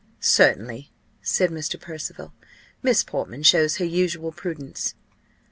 "Certainly," said Mr. Percival: "Miss Portman shows her usual prudence."